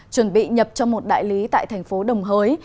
chuẩn bị nhập cho một đại lý tại thành phố đồng hới